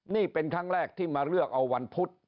นี่เป็นครั้งแรกที่มาเลือกเอาวันพุธ